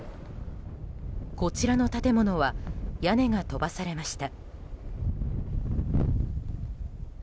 こちらの建物は屋根が飛ばされました。